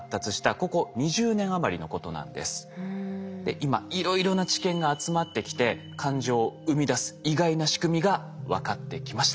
今いろいろな知見が集まってきて感情を生み出す意外な仕組みが分かってきました。